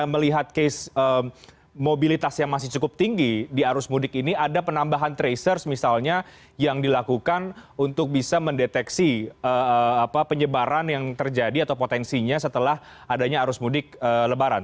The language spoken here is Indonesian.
karena melihat case mobilitas yang masih cukup tinggi di arus mudik ini ada penambahan tracers misalnya yang dilakukan untuk bisa mendeteksi penyebaran yang terjadi atau potensinya setelah adanya arus mudik lebaran